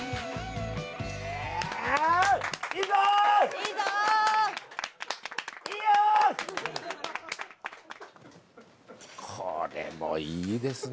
いいよ！これもいいですね。